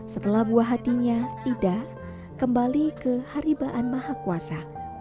setelah buah hatinya ida kembali ke haribaan maha kuasa